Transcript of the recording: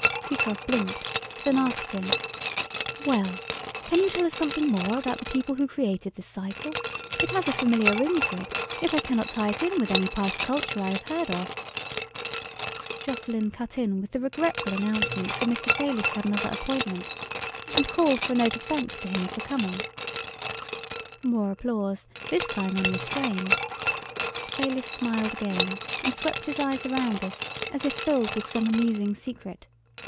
Kutrov blinked, then asked him "Well, can you tell us something more about the people who created this cycle? It has a familiar ring to it, yet I cannot tie it in with any past culture I have heard of." Jocelyn cut in with the regretful announcement that Mr. Fayliss had another appointment, and called for a note of thanks to him for coming. More applause this time unrestrained. Fayliss smiled again and swept his eyes around us, as if filled with some amusing secret.